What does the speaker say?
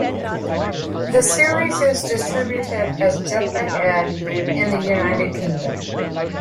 The series is distributed as Jump Ahead in the United Kingdom.